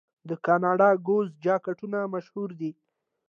د کاناډا ګوز جاکټونه مشهور دي.